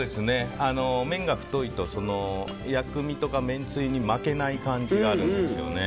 麺が太いと薬味とかめんつゆに負けない感じがあるんですよね。